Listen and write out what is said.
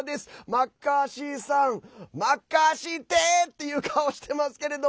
マッカーシーさんマッカーシーて！って顔してますけれど。